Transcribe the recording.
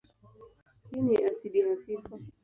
Hii ni asidi hafifu.